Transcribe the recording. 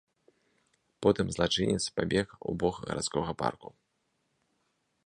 Потым злачынец пабег у бок гарадскога парку.